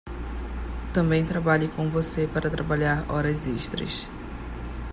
Também trabalhe com você para trabalhar horas extras.